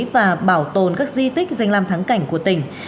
và bảo tồn các di tích danh làm thắng cảnh của tỉnh